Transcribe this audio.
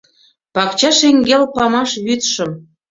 Пакча шеҥгел памаш вӱдшым